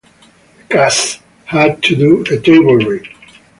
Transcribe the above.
The cast had to do a table read.